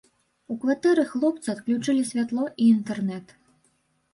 У кватэры хлопца адключылі святло і інтэрнэт.